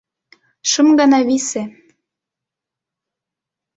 Шым гана висе...